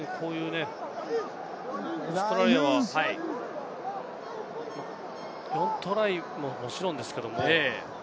オーストラリアは４トライももちろんですけれどもね。